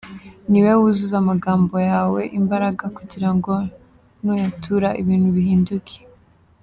Ni we wuzuza amagambo yawe imbaraga kugira ngo nuyatura, ibintu bihinduke.